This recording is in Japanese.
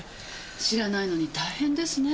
知らないのに大変ですね。